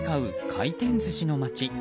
回転寿司の街。